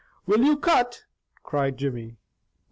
"Will you cut?" cried Jimmy.